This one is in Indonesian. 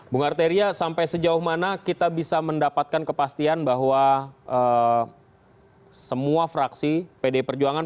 bung arteria sampai sejauh mana kita bisa mendapatkan kepastian bahwa semua fraksi pd perjuangan